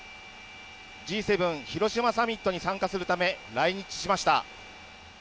Ｇ７広島サミットに参加するため来日しました。